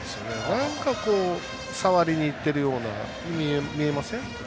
なんか触りにいってるように見えません？